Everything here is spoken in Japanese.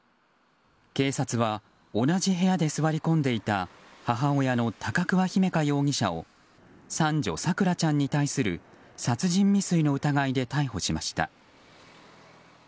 警察は同じ部屋で座り込んでいた母親の高桑姫華容疑者を三女・咲桜ちゃんに対する殺人未遂の疑いで逮捕しました。